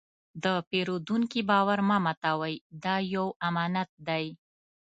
د پیرودونکي باور مه ماتوئ، دا یو امانت دی.